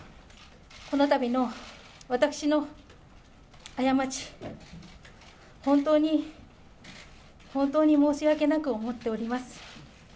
このたびの私の過ち、本当に、本当に申し訳なく思っております。